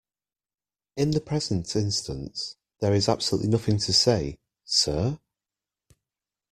In the present instance, there is absolutely nothing to say 'Sir?'